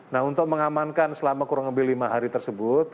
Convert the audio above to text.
nah untuk mengamankan selama kurang lebih lima hari tersebut